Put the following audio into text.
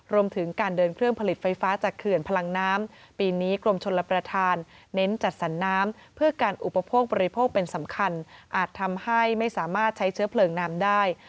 รวมถึงการเดินเครื่องผลิตไฟฟ้าจากเขื่อนพลังน้ำปีนี้กรมชนรับประทานเน้นจัดสรรน้ำเพื่อการอุปโภคบริโภคเป็นสำคัญอาจทำให้ไม่สามารถใช้เชื้อเพลิงน้ำได้